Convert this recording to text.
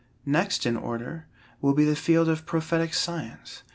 Next in order, will be the field of prophetic science.